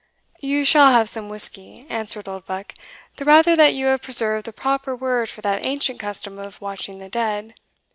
"You shall have some whisky," answered Oldbuck, "the rather that you have preserved the proper word for that ancient custom of watching the dead.